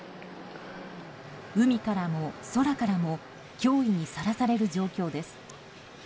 海からも空からも脅威にさらされる状況です。